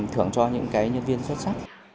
thưởng cho những nhân viên xuất sắc